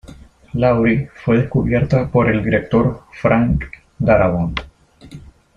Laurie fue descubierta por el director Frank Darabont.